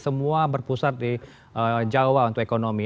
semua berpusat di jawa untuk ekonomi